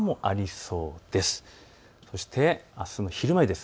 そしてあすの昼前です。